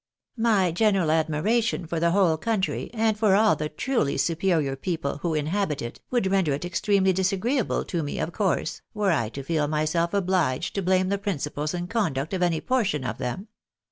My general admiration for the whole country, and for all the truly superior people who inhabit it, would render it extremely disagreeable to me, of course, were I to feel myself obliged to blame the principles and conduct of any portion of them.